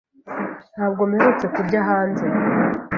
Ntabwo mperutse kurya hanze